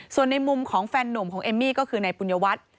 ส่วนในมุมของแฟนหนุ่มของเอมมี่ก็คือในปุญญวัตร